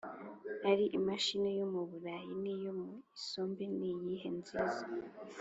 Ari imashini yo mu Burayi niyo mu isombe niyihe nziz